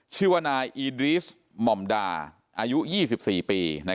ชื่อว่านายอีดรีสหม่อมดาอายุ๒๔ปี